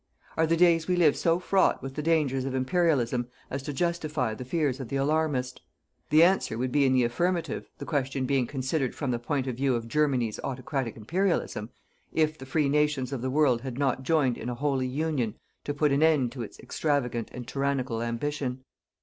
Are the days we live so fraught with the dangers of Imperialism as to justify the fears of the alarmist? The answer would be in the affirmative, the question being considered from the point of view of Germany's autocratic Imperialism, if the free nations of the world had not joined in a holy union to put an end to its extravagant and tyrannical ambition.